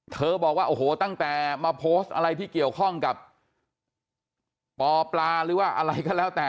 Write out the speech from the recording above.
บอกว่าโอ้โหตั้งแต่มาโพสต์อะไรที่เกี่ยวข้องกับปปลาหรือว่าอะไรก็แล้วแต่